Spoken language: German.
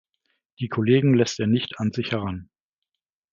Die Kollegen lässt er nicht an sich heran.